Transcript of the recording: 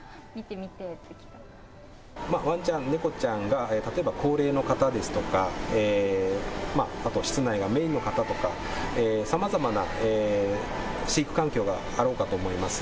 ワンちゃん猫ちゃんが例えば高齢の方ですとか室内がメインの方とかさまざまな飼育環境があろうかと思います。